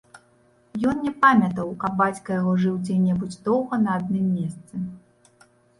Ён не памятаў, каб бацька яго жыў дзе небудзь доўга на адным мейсцы.